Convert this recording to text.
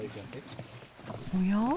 おや？